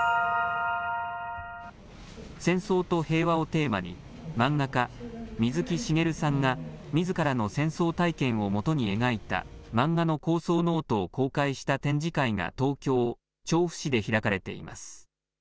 戦争と平和をテーマに、漫画家、水木しげるさんがみずからの戦争体験を基に描いた漫画の構想ノートを公開した展示会が、東京・調布市で開かれています。